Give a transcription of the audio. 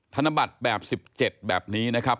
ธนบัตรแบบ๑๗แบบนี้นะครับ